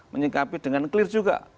menyikapi dengan clear juga